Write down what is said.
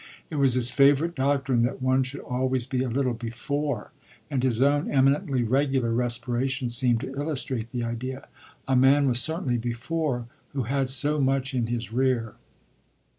It was his favourite doctrine that one should always be a little before, and his own eminently regular respiration seemed to illustrate the idea. A man was certainly before who had so much in his rear.